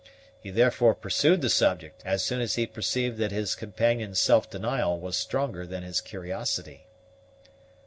He therefore pursued the subject, as soon as he perceived that his companion's self denial was stronger than his curiosity.